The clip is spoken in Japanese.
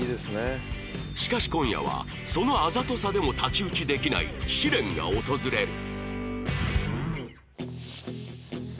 しかし今夜はそのあざとさでも太刀打ちできない試練が訪れる